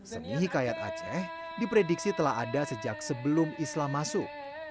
seni hikayat aceh diprediksi telah ada sejak sebelum islam masuk